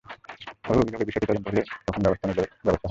তবে অভিযোগের বিষয়টি তদন্ত হলে তখন অবস্থা অনুযায়ী ব্যবস্থা নেওয়া হবে।